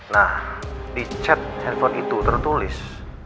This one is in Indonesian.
nah di chat handphone itu tertulis